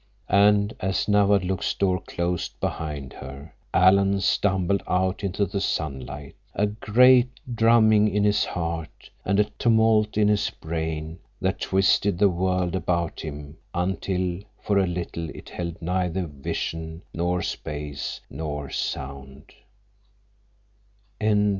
And as Nawadlook's door closed behind her, Alan stumbled out into the sunlight, a great drumming in his heart, and a tumult in his brain that twisted the world about him until for a little it held neither vision nor space nor sound.